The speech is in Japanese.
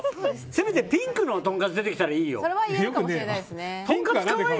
せめてピンクのとんかつ出てきたら分かるよ。